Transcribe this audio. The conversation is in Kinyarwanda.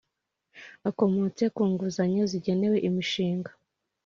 Akomotse ku nguzanyo zigenewe imishinga